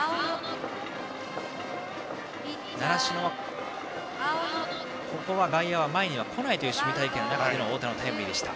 習志野はここは外野は前に来ないという守備隊形になってからの太田のタイムリーでした。